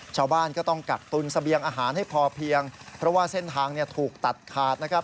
ชาวบ้านก็ต้องกักตุนเสบียงอาหารให้พอเพียงเพราะว่าเส้นทางถูกตัดขาดนะครับ